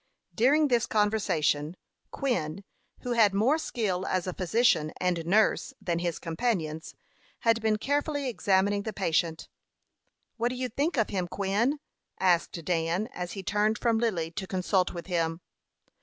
During this conversation, Quin, who had more skill as a physician and nurse than his companions, had been carefully examining the patient. "What do you think of him, Quin?" asked Dan, as he turned from Lily to consult with him.